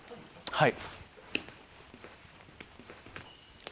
はい。